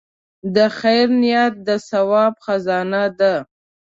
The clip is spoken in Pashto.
د خیر نیت د ثواب خزانه ده.